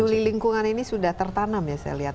peduli lingkungan ini sudah tertanam ya saya lihat